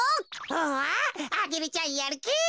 おわアゲルちゃんやるき！